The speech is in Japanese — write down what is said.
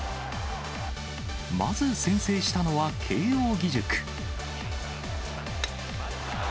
まず先制したのは、慶応義塾。